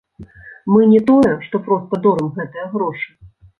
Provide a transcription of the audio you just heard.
Мы не тое, што проста дорым гэтыя грошы.